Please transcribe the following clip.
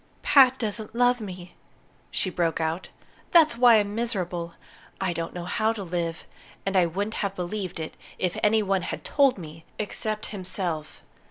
"Pat doesn't love me," she broke out. "That's why I'm miserable. I don't know how to live. And I wouldn't have believed it if any one had told me except himself."